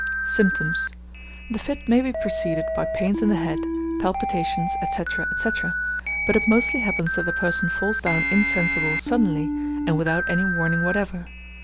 Symptoms. The fit may be preceded by pains in the head, palpitations, &c. &c. but it mostly happens that the person falls down insensible suddenly, and without any warning whatever.